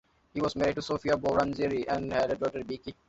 He was married to Sofia Vouranzeri and had a daughter, Vicky.